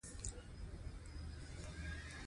تږی دی او ستړی هم دی